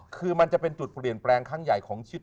คือมันจะเป็นจุดเปลี่ยนแปลงครั้งใหญ่ของชีวิต